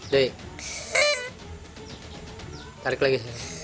dek tarik lagi